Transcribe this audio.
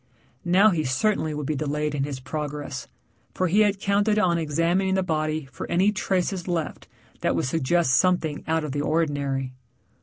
Now he certainly would be delayed in his progress, for he had counted on examining the body for any traces left that would suggest something out of the ordinary.